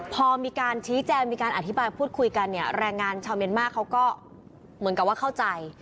พอมีการชี้แจงมีการอธิบายพูดคุยกันเนี่ยแรงงานชาวเมียนมาร์เขาก็เหมือนกับว่าเข้าใจ